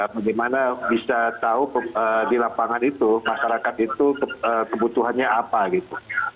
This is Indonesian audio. bagaimana bisa tahu di lapangan itu masyarakat itu kebutuhannya apa gitu